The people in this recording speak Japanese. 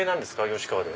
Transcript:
吉川で。